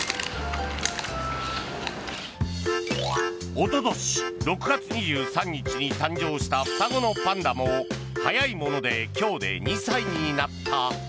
おととし６月２３日に誕生した双子のパンダも早いもので今日で２歳になった。